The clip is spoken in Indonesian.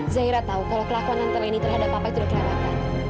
zahira tahu kalau kelakuan tante laini terhadap papa itu sudah terlambatkan